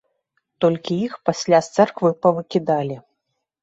Толькі іх пасля з царквы павыкідалі.